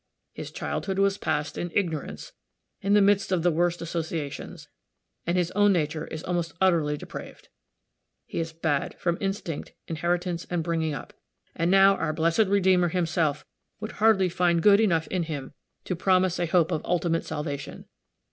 His childhood was passed in ignorance, in the midst of the worst associations; and his own nature is almost utterly depraved. He is bad, from instinct, inheritance and bringing up; and now, our blessed Redeemer, himself, would hardly find good enough in him to promise a hope of ultimate salvation.